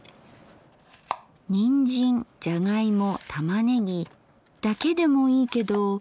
にんじんじゃがいも玉ねぎだけでもいいけど。